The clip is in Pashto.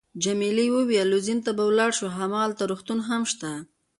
جميلې وويل:: لوزین ته به ولاړ شو، هماغلته روغتون هم شته.